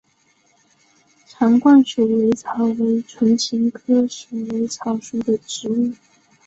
长冠鼠尾草为唇形科鼠尾草属的植物。